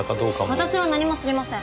私は何も知りません！